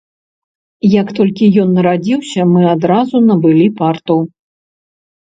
Як толькі ён нарадзіўся, мы адразу набылі парту.